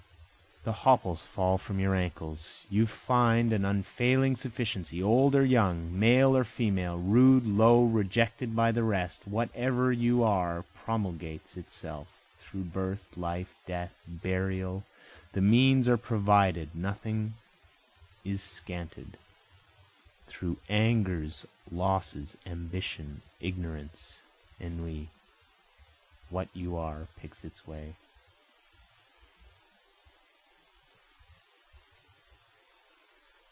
The hopples fall from your ankles, you find an unfailing sufficiency, Old or young, male or female, rude, low, rejected by the rest, whatever you are promulges itself, Through birth, life, death, burial, the means are provided, nothing is scanted, Through angers, losses, ambition, ignorance, ennui, what you are picks its way.